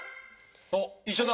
あっ一緒だ。